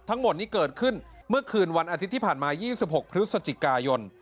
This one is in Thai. ทั้งหมดนี้เกิดขึ้นเมื่อคืนวันอาทิตย์ที่ผ่านมา๒๖พฤศจิกายน